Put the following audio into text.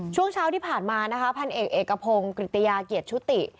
ช่วงเช้าที่ผ่านมานะคะพันเอกเอกพงศ์กริตยาเกียรติชุติ